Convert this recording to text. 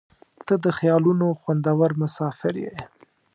• ته د خیالونو خوندور مسافر یې.